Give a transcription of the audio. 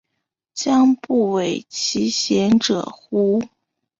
将不讳其嫌者乎？